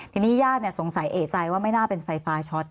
ทีนี้ญาติสงสัยเอกใจว่าไม่น่าเป็นไฟฟ้าช็อต